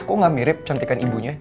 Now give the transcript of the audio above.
aku gak mirip cantikan ibunya